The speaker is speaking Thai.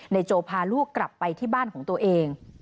โจพาลูกกลับไปที่บ้านของตัวเอง